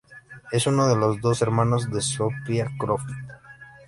Es uno de los dos hermanos de Sophia Croft.